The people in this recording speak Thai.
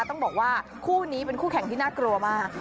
ต้องบอกว่าคู่นี้เป็นคู่แข่งที่น่ากลัวมาก